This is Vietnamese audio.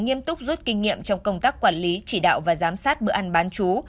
nghiêm túc rút kinh nghiệm trong công tác quản lý chỉ đạo và giám sát bữa ăn bán chú